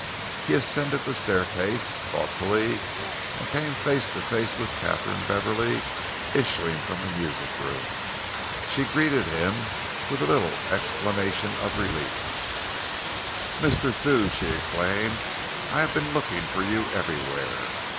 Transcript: He ascended the staircase thoughtfully and came face to face with Katharine Beverley, issuing from the music room. She greeted him with a little exclamation of relief. "Mr. Thew," she exclaimed, "I have been looking for you everywhere.